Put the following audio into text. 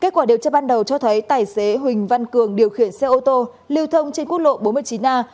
kết quả điều tra ban đầu cho thấy tài xế huỳnh văn cường điều khiển xe ô tô lưu thông trên quốc lộ bốn mươi chín a